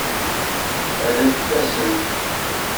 Rret-asent.